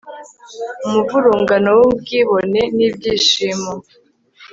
Umuvurungano wubwibone nibyishimo